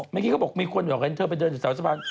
เมื่อกี้เขาบอกมีคนอยากให้เธอไปเดินสะพาน